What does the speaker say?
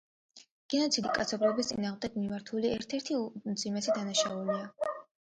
გენოციდი კაცობრიობის წინააღმდეგ მიმართული ერთ-ერთი უმძიმესი დანაშაულია.